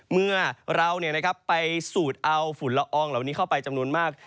เมื่อเราไปสูดเอาฝุ่นละอองเหล่านี้เข้าไปจำนวนมาก